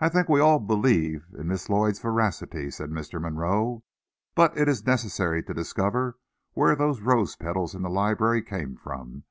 "I think we all believe in Miss Lloyd's veracity," said Mr. Monroe, "but it is necessary to discover where those rose petals in the library came from.